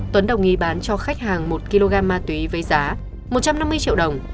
tuấn đồng ý bán cho khách hàng một kg ma túy với giá một trăm năm mươi triệu đồng